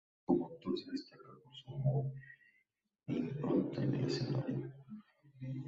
Como actor se destaca por su humor e impronta en el escenario.